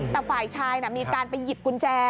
แต่ฝ่ายชายมีการไปหยิบกุญแจ